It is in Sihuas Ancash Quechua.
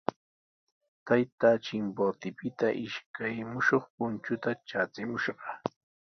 Taytaa Chimbotepita ishkay mushuq punchuta traachimushqa.